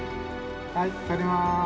はい撮ります！